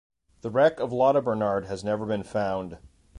The wreck of "Lotta Bernard" has never been found.